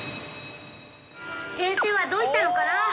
先生はどうしたのかな。